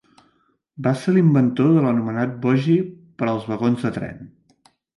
Va ser l'inventor de l'anomenat "bogi" per als vagons de tren.